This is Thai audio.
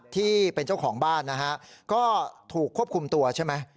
ที่เป็นเจ้าของบ้านนะฮะก็ถูกควบคุมตัวใช่ไหม